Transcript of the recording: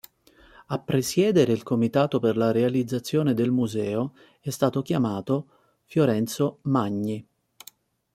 A presiedere il comitato per la realizzazione del museo è stato chiamato Fiorenzo Magni.